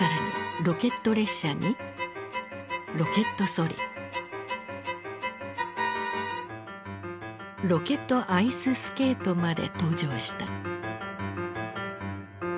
更にロケットアイススケートまで登場した。